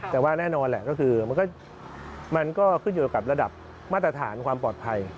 แต่ว่าแน่นอนแหละก็คือมันก็ขึ้นอยู่กับระดับมาตรฐานความปลอดภัย